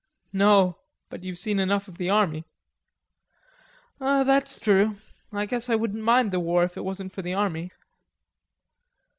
"No.... But you've seen enough of the army." "That's true.... I guess I wouldn't mind the war if it wasn't for the army."